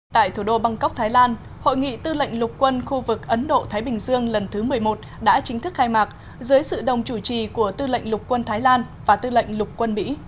tại thủ đô bangkok thái lan hội nghị tư lệnh lục quân khu vực ấn độ thái bình dương lần thứ một mươi một đã chính thức khai mạc dưới sự đồng chủ trì của tư lệnh lục quân thái lan và tư lệnh lục quân mỹ